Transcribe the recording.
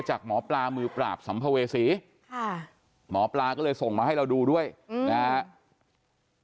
จากหมอปลามือปราบสัมภเวษีค่ะหมอปลาก็เลยส่งมาให้เราดูด้วยนะครับ